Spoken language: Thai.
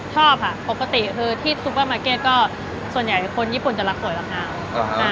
ชอบค่ะปกติคือที่ซุปเปอร์มาร์เก็ตก็ส่วนใหญ่คนญี่ปุ่นจะรักสวยรักงาม